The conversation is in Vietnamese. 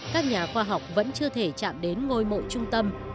các nhà khoa học vẫn chưa thể chạm đến ngôi mộ trung tâm